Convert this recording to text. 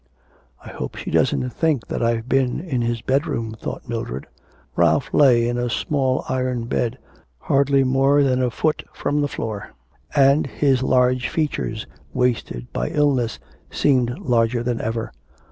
'I hope she doesn't think that I've been in his bedroom,' thought Mildred. Ralph lay in a small iron bed, hardly more than a foot from the floor, and his large features, wasted by illness, seemed larger than ever.